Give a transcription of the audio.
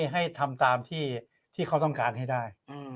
ให้ทำตามที่เขาต้องการให้ได้